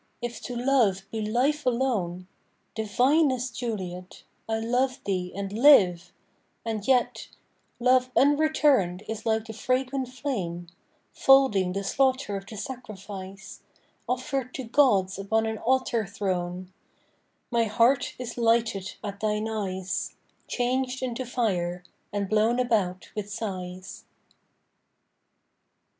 If to love be life alone, Divinest Juliet, I love thee, and live; and yet Love unreturned is like the fragrant flame Folding the slaughter of the sacrifice Offered to Gods upon an altarthrone; My heart is lighted at thine eyes, Changed into fire, and blown about with sighs.